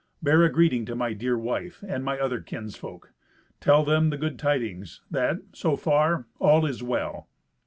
Bear a greeting to my dear wife, and my other kinsfolk. Tell them the good tidings: that, so far, all is well."